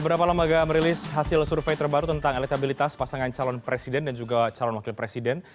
beberapa lembaga merilis hasil survei terbaru tentang elektabilitas pasangan calon presiden dan juga calon wakil presiden